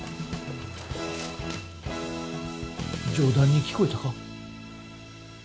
冗談に聞こえたか？